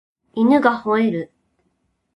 犬が吠える